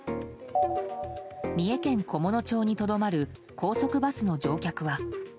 三重県菰野町にとどまる高速バスの乗客は。